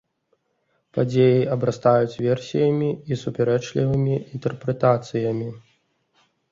Падзеі абрастаюць версіямі і супярэчлівымі інтэрпрэтацыямі.